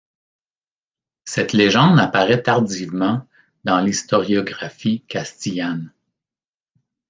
Cette légende apparaît tardivement dans l'historiographie castillane.